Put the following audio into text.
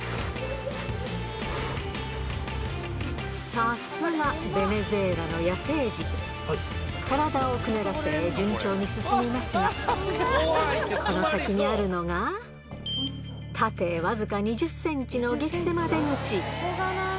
さすがベネズエラの野生児体をくねらせ順調に進みますがこの先にあるのが激狭出口